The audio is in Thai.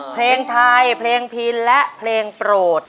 เพลงไทยเพลงพินและเพลงโปรด